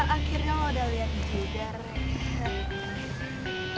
akhirnya lo udah liat juga